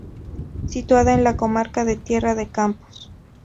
Situada en la comarca de Tierra de Campos.